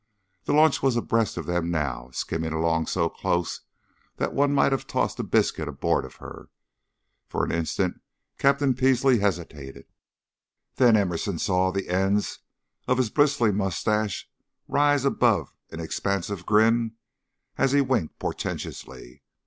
The launch was abreast of them now, and skimming along so close that one might have tossed a biscuit aboard of her. For an instant Captain Peasley hesitated; then Emerson saw the ends of his bristly mustache rise above an expansive grin as he winked portentously.